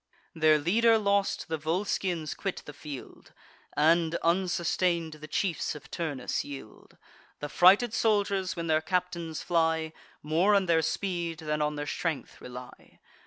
Their leader lost, the Volscians quit the field, And, unsustain'd, the chiefs of Turnus yield. The frighted soldiers, when their captains fly, More on their speed than on their strength rely.